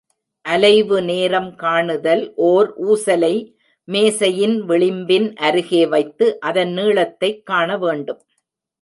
அலைவு நேரம் காணுதல் ஓர் ஊசலை மேசையின் விளிம்பின் அருகே வைத்து அதன் நீளத்தைக் காண வேண்டும்.